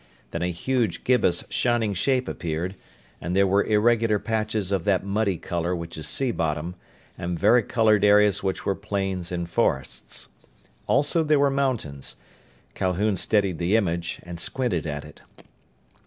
Then a huge, gibbous shining shape appeared, and there were irregular patches of that muddy color which is seabottom, and varicolored areas which were plains and forests. Also there were mountains. Calhoun steadied the image, and squinted at it.